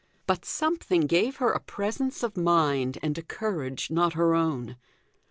But something gave her a presence of mind and a courage not her own.